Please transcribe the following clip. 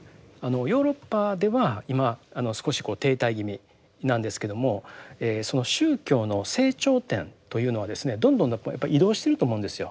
ヨーロッパでは今あの少しこう停滞気味なんですけどもその宗教の成長点というのはですねどんどんやっぱり移動してると思うんですよ。